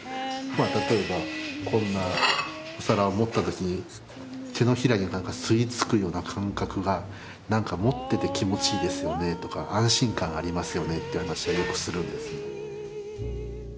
例えばこんな皿を持った時に手のひらに吸い付くような感覚が「何か持ってて気持ちいいですよね」とか「安心感ありますよね」という話はよくするんです。